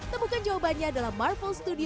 temukan jawabannya dalam marvel studio